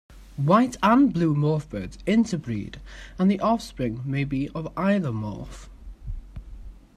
White- and blue-morph birds interbreed and the offspring may be of either morph.